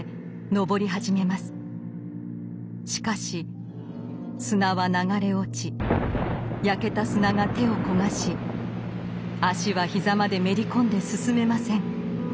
しかし砂は流れ落ち焼けた砂が手を焦がし足は膝までめり込んで進めません。